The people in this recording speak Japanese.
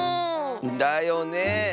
だよね。